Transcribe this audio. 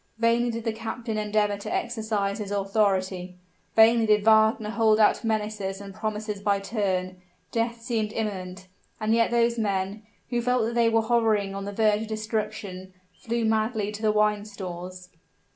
Vainly did the captain endeavor to exercise his authority vainly did Wagner hold out menaces and promises by turns; death seemed imminent, and yet those men, who felt that they were hovering on the verge of destruction, flew madly to the wine stores.